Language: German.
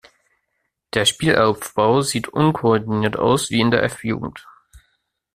Der Spielaufbau sieht unkoordiniert aus wie in der F-Jugend.